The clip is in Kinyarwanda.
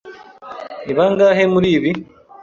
Ni bangahe muribi ?